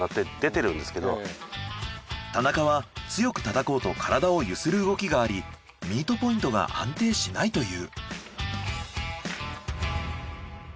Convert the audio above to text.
田中は強く叩こうと体を揺する動きがありミートポイントが安定しないという。